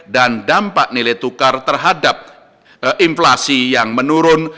dampak nilai tukar terhadap inflasi yang menurun